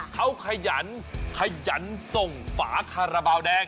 ก็ขยันส่งฝาขาราเบาแดง